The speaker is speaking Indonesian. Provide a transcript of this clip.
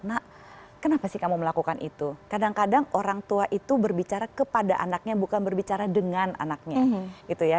nak kenapa sih kamu melakukan itu kadang kadang orang tua itu berbicara kepada anaknya bukan berbicara dengan anaknya gitu ya